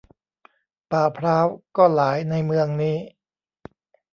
ป่าพร้าวก็หลายในเมืองนี้